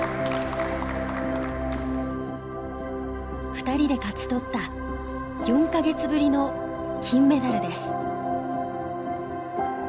２人で勝ち取った４か月ぶりの金メダルです。